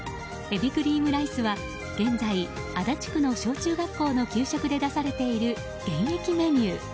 えびクリームライスは現在、足立区の小中学校の給食で出されている現役メニュー。